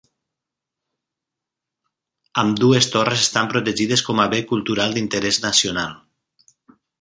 Ambdues torres estan protegides com a Bé cultural d'interès nacional.